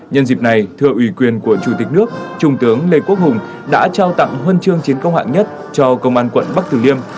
nhân dịp này thưa ủy quyền của chủ tịch nước trung tướng lê quốc hùng đã trao tặng huân chương chiến công hạng nhất cho công an quận bắc tử liêm